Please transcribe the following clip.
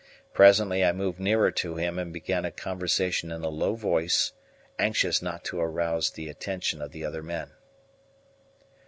Presently I moved nearer to him and began a conversation in a low voice, anxious not to rouse the attention of the other men.